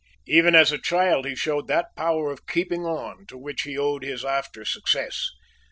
Even as a child he showed that power of keeping on, to which he owed his after success.